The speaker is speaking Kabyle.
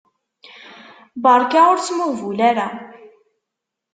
Berka, ur smuhbul ara.